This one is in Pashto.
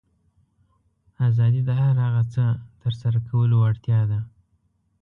آزادي د هر هغه څه ترسره کولو وړتیا ده.